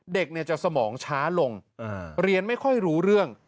เด็กจะสมองช้าลงเรียนไม่ค่อยรู้เรื่อง